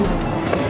dengerin terus ya bi